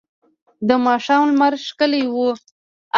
د ماښام لمر ښکلی و.